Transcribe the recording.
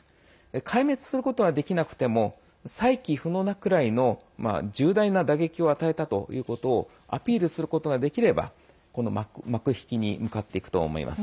壊滅することはできなくても再起不能なくらいの重大な打撃を与えたということをアピールすることができれば幕引きに向かっていくと思います。